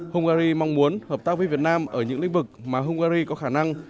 hungary mong muốn hợp tác với việt nam ở những lĩnh vực mà hungary có khả năng